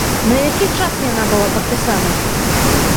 На які час яна была падпісаная?